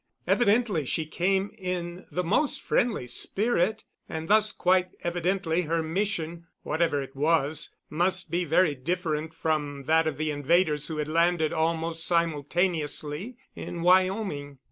Evidently she came in the most friendly spirit; and thus, quite evidently, her mission, whatever it was, must be very different from that of the invaders who had landed almost simultaneously in Wyoming.